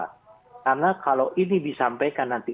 karena kalau ini disampaikan nanti